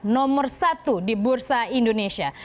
nomor satu di bursa indonesia